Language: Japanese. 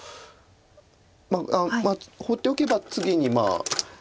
まあ放っておけば次に。